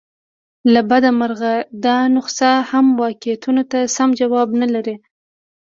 له بده مرغه دا نسخه هم واقعیتونو ته سم ځواب نه لري.